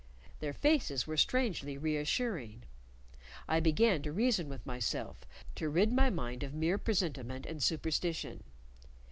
Their faces were strangely reassuring. I began to reason with myself, to rid my mind of mere presentiment and superstition.